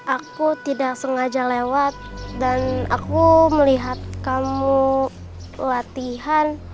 aku tidak sengaja lewat dan aku melihat kamu latihan